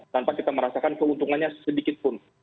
tanpa kita merasakan keuntungannya sedikit pun